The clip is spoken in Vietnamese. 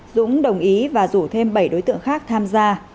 dũng đồng ý và rủ thêm bảy đối tượng khác tham gia